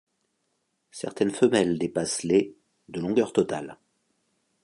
Certaines femelles dépassent les de longueur totale.